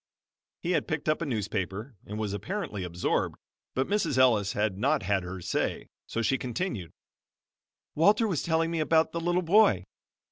He had picked up a newspaper and was apparently absorbed, but Mrs. Ellis had not had her say, so she continued "Walter was telling me about the little boy.